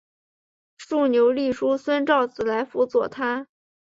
竖牛立叔孙昭子来辅佐他。